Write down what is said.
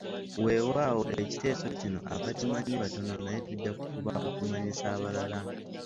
Weewaawo ekiteeso kino abakimanyi batono naye tujja kufuba okumanyisa abalala.